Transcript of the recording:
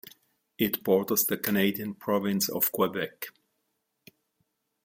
It borders the Canadian province of Quebec.